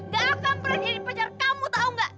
gak akan pernah jadi pacar kamu tahu nggak